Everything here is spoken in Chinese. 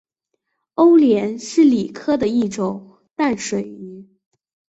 欧鲢是鲤科的一种淡水鱼。